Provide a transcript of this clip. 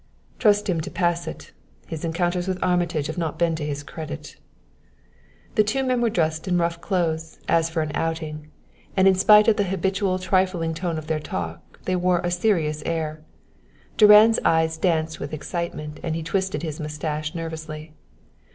"Trust him to pass it! His encounters with Armitage have not been to his credit." The two men were dressed in rough clothes, as for an outing, and in spite of the habitual trifling tone of their talk, they wore a serious air. Durand's eyes danced with excitement and he twisted his mustache nervously.